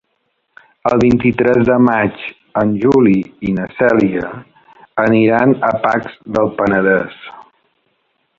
El vint-i-tres de maig en Juli i na Cèlia aniran a Pacs del Penedès.